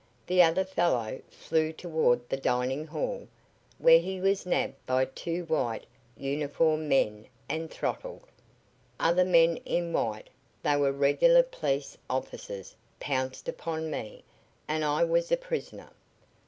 The other fellow flew toward the dining hall, where he was nabbed by two white uniformed men and throttled. Other men in white they were regular police officers pounced upon me, and I was a prisoner.